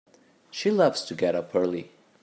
She loves to get up early.